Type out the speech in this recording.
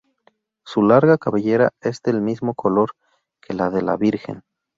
Su larga cabellera es del mismo color que la de la Virgen.